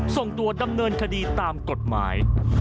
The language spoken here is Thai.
ส่งตัวดำเนินคดีตามกฎหมาย